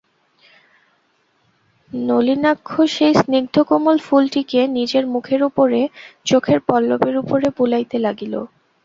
নলিনাক্ষ সেই স্নিগ্ধকোমল ফুলটিকে নিজের মুখের উপরে, চোখের পল্লবের উপরে বুলাইতে লাগিল!